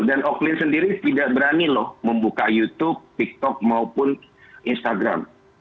dan oklin sendiri tidak berani loh membuka youtube tiktok maupun instagram